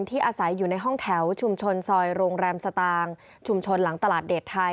อาศัยอยู่ในห้องแถวชุมชนซอยโรงแรมสตางค์ชุมชนหลังตลาดเดชไทย